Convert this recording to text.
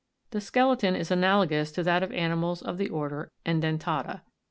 The skeleton is analogous to that of animals of the order edentata.